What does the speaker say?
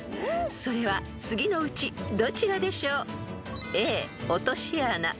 ［それは次のうちどちらでしょう？］